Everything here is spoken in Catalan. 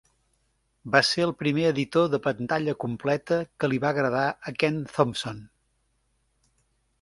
Va ser el primer editor de pantalla completa que li va agradar a Ken Thompson.